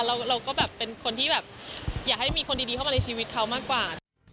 เราก็แบบเป็นคนที่แบบอยากให้มีคนดีเข้ามาในชีวิตเขามากกว่า